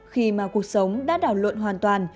khi mà cuộc sống đã đảo luận hoàn toàn